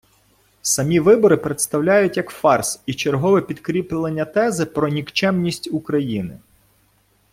Самі вибори представляють як фарс і чергове підкріплення тези про нікчемність України.